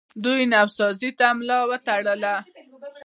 دوی نوسازۍ ته ملا وتړله